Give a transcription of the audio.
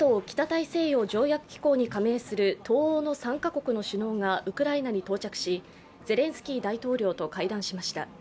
ＮＡＴＯ＝北大西洋条約機構に加盟する東欧の３カ国の首脳が、ウクライナに到着し、ゼレンスキー大統領と会談しました。